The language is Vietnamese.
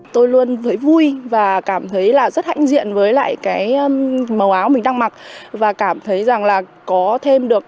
tôi luôn thấy vui và cảm thấy rất hạnh diện với lại màu áo mình đang mặc và cảm thấy có thêm được